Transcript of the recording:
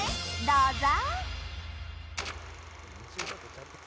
どうぞ！